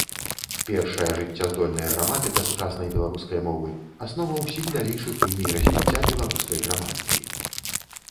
Першая жыццяздольная граматыка сучаснай беларускай мовы, аснова ўсіх далейшых ліній развіцця беларускай граматыкі.